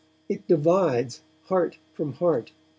It divides heart from heart.